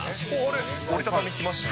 折り畳み、きましたね。